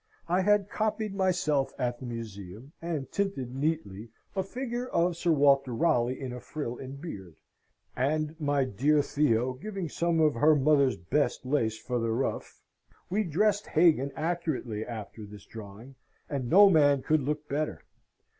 I had copied myself at the Museum, and tinted neatly, a figure of Sir Walter Raleigh in a frill and beard; and (my dear Theo giving some of her mother's best lace for the ruff) we dressed Hagan accurately after this drawing, and no man could look better.